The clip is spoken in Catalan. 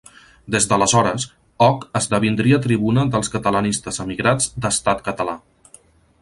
Des d'aleshores, Oc esdevindria tribuna dels catalanistes emigrats d’Estat Català.